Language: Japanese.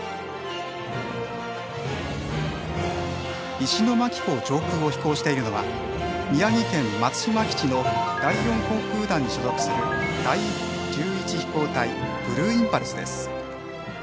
石巻港上空を飛行しているのは宮城県松島基地の第４航空団に所属する第１１飛行隊ブルーインパルスです。